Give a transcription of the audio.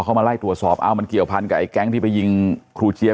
พอเขามาไล่ตรวจสอบอ้ะมันเกี่ยวพันธุ์กับไอ้แก๊งท์ที่ไปยิงครูเจฟ